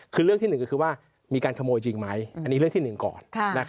คือเรื่องที่๑ก็คือว่ามีการขโมยจริงไหมอันนี้เรื่องที่๑ก่อน